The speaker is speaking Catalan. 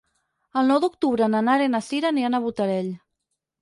El nou d'octubre na Nara i na Sira aniran a Botarell.